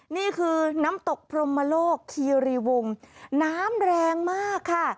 นี่คือน้ำตกพรมโลกคีรีวงน้ำแรงมากค่ะ